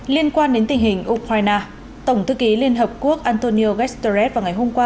liên quan đến tình hình ukraine tổng thư ký liên hợp quốc antonio guterres vào ngày hôm qua